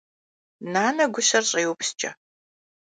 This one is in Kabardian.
Нанэ гущэр щӏеупскӏэ.